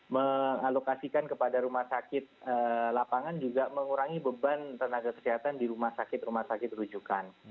mengalokasikan kepada rumah sakit lapangan juga mengurangi beban tenaga kesehatan di rumah sakit rumah sakit rujukan